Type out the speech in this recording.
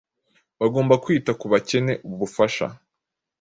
Bagomba kwita ku bakeneye ubufasha,